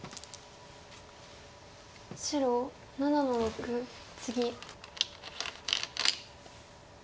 白７の六ツギ。